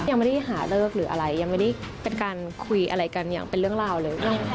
ยังไม่ได้หาเลิกหรืออะไรยังไม่ได้เป็นการคุยอะไรกันอย่างเป็นเรื่องราวเลย